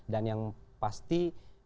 dan yang pasti